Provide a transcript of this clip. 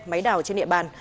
máy đảo trên địa bàn